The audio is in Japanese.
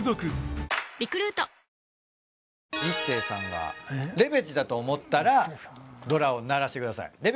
ＩＳＳＥＩさんがレベチだと思ったらドラを鳴らしてください。